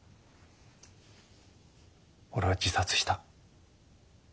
俺は自殺した。